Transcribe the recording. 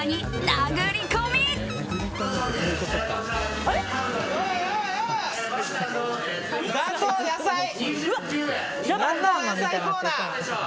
打倒野菜コーナー！